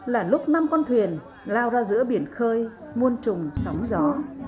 là lúc năm con thuyền lao ra giữa biển khơi muôn trùng sóng gió